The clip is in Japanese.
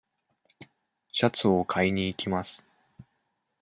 シャツを買いにいきます。